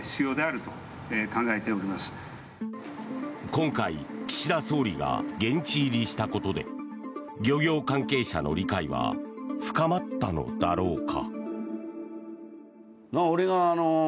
今回、岸田総理が現地入りしたことで漁業関係者の理解は深まったのだろうか。